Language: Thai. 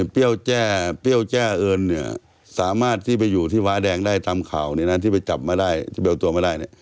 ที่ไปจับมาได้ที่ไปเอาตัวมาได้เนี่ย